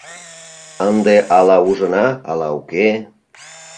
— Ынде ала ужына, ала уке...